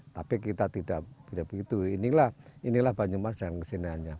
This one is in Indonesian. tapi kita tidak begitu inilah banyumas dan keseniannya